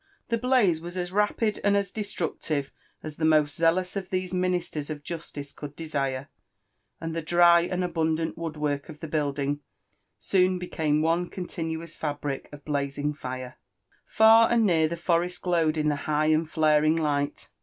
The blaze was as rapid andas destructive as the most zealous of these minhtetB ef justice could desire, and the dry and abundant woodwork of the buiMiag soon became one continuous fabric of blazing fire. Far and near the forest glowed in the high and flaring light.